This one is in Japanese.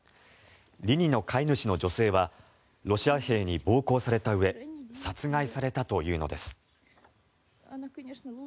リニの飼い主の女性はロシア兵に暴行されたうえ殺害されたというのです。